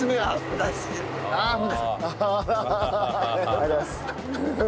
ありがとうございます。